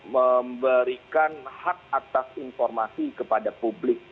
memberikan hak atas informasi kepada publik